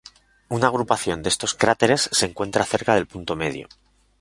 Una agrupación de estos cráteres se encuentra cerca del punto medio.